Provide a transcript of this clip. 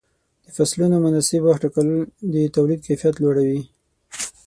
د فصلونو مناسب وخت ټاکل د تولید کیفیت لوړوي.